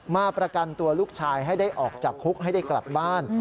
มาประกันตัวลูกชายให้ได้ออกจากคุกให้ได้กลับบ้าน